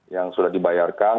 yang sudah dibayarkan